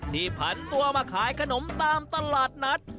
ผันตัวมาขายขนมตามตลาดนัด